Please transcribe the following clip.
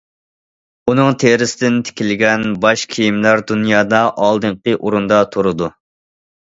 ئۇنىڭ تېرىسىدىن تىكىلگەن باش كىيىملەر دۇنيادا ئالدىنقى ئورۇندا تۇرىدۇ.